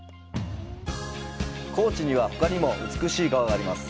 高知にはほかにも美しい川があります。